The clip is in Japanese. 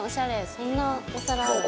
そんなお皿あるんだ」